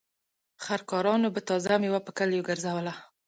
خر کارانو به تازه مېوه په کليو ګرځوله.